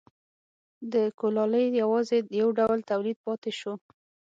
د کولالۍ یوازې یو ډول تولید پاتې شو.